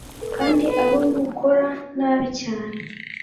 Kandi abo mukora nabi cyane